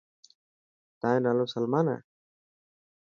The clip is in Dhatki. تايون نالو سلمان هي.